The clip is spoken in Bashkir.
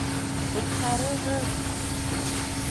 Ҡотҡарығыҙ!